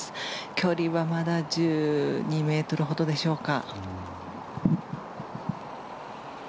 距離はまだ１２ｍほどでしょうか。